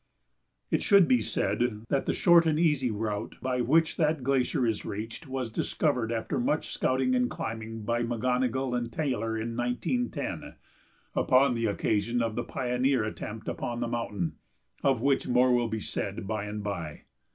It should be said that the short and easy route by which that glacier is reached was discovered after much scouting and climbing by McGonogill and Taylor in 1910, upon the occasion of the "pioneer" attempt upon the mountain, of which more will be said by and by.